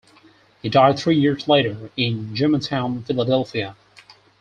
He died three years later in Germantown, Philadelphia.